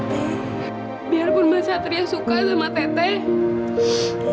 biarpun mas satria suka sama teteh